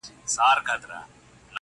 په غیرت او شجاعت مو نوم نښان وو؛